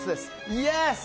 イエス！